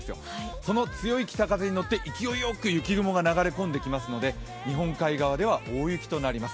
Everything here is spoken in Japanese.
その強い北風に乗って雪雲が流れ込んできますので日本海側では大雪となります。